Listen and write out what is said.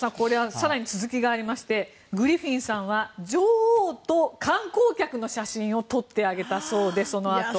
更に続きがありましてグリフィンさんは女王と観光客の写真を撮ってあげたそうで、そのあと。